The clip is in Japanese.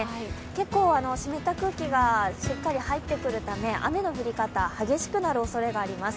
結構、湿った空気がしっかり入ってくるため雨の降り方、激しくなるおそれがあります。